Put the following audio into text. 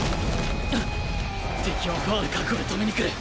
敵はファウル覚悟で止めにくる